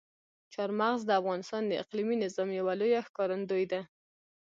چار مغز د افغانستان د اقلیمي نظام یوه لویه ښکارندوی ده.